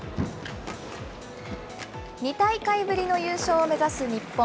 ２大会ぶりの優勝を目指す日本。